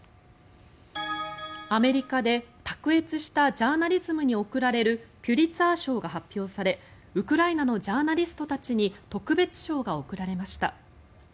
アメリカで、卓越したジャーナリズムに贈られるピュリツァー賞が発表されウクライナのジャーナリストたちに特別賞が贈られました。